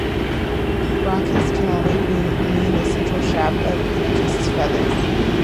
"Rachis" can also mean the central shaft of pennaceous feathers.